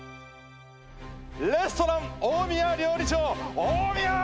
レストラン大宮料理長大宮勝雄！